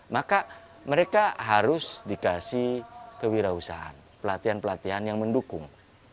maka mereka harus dikasih kewirausahaan pelatihan pelatihan yang mendukung